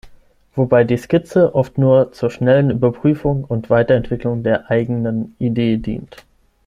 Wobei die Skizze oft nur zur schnellen Überprüfung und Weiterentwicklung der eigene Idee dient.